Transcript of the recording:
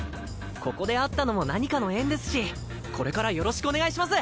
ここで会ったのも何かの縁ですしこれからよろしくお願いします。